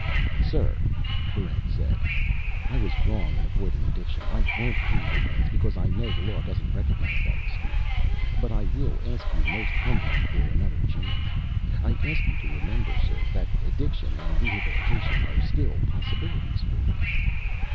"Sir," Barrent said, "I was wrong in avoiding addiction. I won't plead ignorance, because I know the law doesn't recognize that excuse. But I will ask you most humbly for another chance. I ask you to remember, sir, that addiction and rehabilitation are still possible for me."